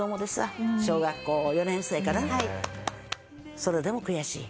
それでも悔しい。